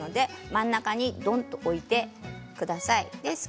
真ん中にドンと置いてください。